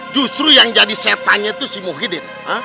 justru yang jadi setannya itu si muhyiddin